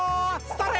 それ！